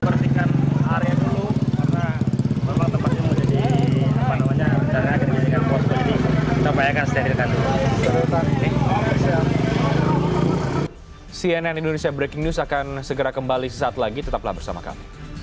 rangkuman peristiwa dikupas secara tuntas dan mendalam